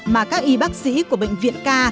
mà các y bác sĩ của bệnh viện k